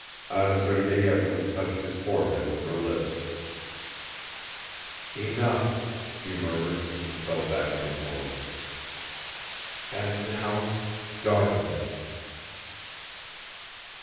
Anna Sergeyevna touched his forehead with her lips. "Enough," he murmured, and fell back on the pillow. "And now ... darkness